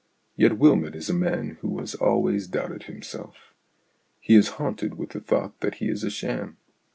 Yet Wylmot is a man who has always doubted himself. He is haunted with the thought that he is a sham.